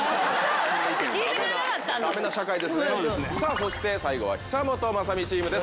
そして最後は久本雅美チームです